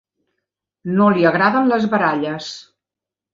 No li agraden les baralles.